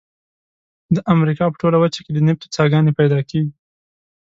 د امریکا په ټوله وچه کې د نفتو څاګانې پیدا کیږي.